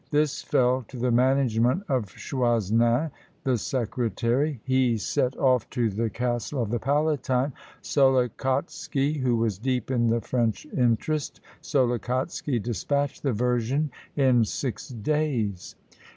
This fell to the management of Choisnin, the secretary. He set off to the castle of the palatine, Solikotski, who was deep in the French interest; Solikotski despatched the version in six days.